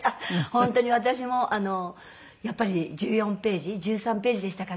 本当に私もあのやっぱり１４ページ１３ページでしたかね